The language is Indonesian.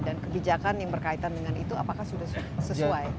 dan kebijakan yang berkaitan dengan itu apakah sudah sesuai